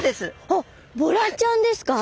あっボラちゃんですか？